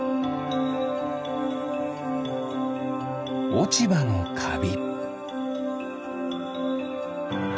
おちばのかび。